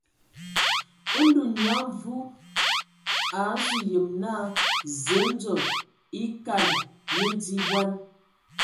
Ndɔ Nyia Mvu a azu yem naa Zǝǝ ndzo e akad nye di bɔn.